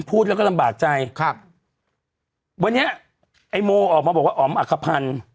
พูดแล้วก็ลำบากใจครับวันนี้ไอ้โมออกมาบอกว่าอ๋อมอักขพันธ์